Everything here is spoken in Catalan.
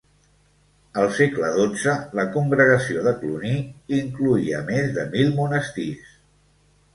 Al segle XII la Congregació de Cluny incloïa més de mil monestirs.